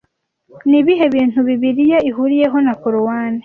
Ni ibihe bintu Bibiliya ihuriyeho na Korowani